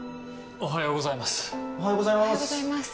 おはようございます。